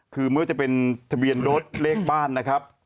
คือไม่ว่าจะเป็นทะเบียนรถเลขบ้านนะครับ